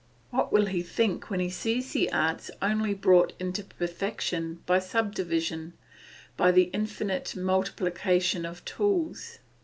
What will he think when he sees the arts only brought to perfection by sub division, by the infinite multiplication of tools.